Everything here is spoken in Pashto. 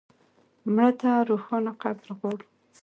مړه ته روښانه قبر غواړو